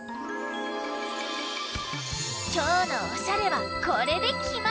きょうのおしゃれはこれできまり！